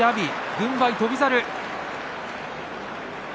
軍配は翔猿。